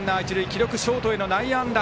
記録ショートへの内野安打。